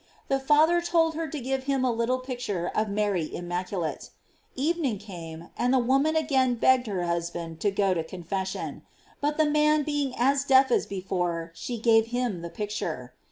The father told her to give him a little picture of Mary immaculate. Evening came, and the woman again begged her husband to go to confession; but the man being as deaf as before, she gave him the picture.